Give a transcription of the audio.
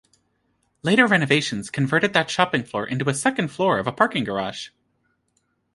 Later renovations converted that shopping floor into a second floor of parking garage.